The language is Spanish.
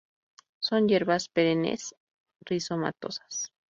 Son hierbas perennes, rizomatosas.